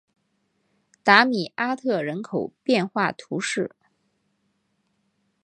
达米阿特人口变化图示